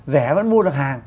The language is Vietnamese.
rẻ vẫn mua được hàng